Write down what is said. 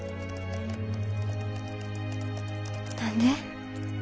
何で？